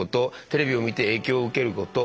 テレビを見て影響を受けること。